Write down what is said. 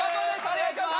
お願いします。